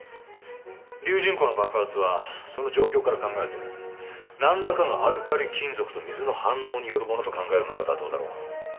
龍仁湖の爆発はその状況から考えて何らかのアルカリ金属と水の反応によるものと考えるのが妥当だろう。